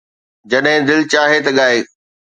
جڏهن دل چاهي ته ڳائي